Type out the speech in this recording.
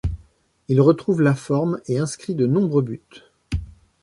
Il retrouve la forme et inscrit de nombreux buts.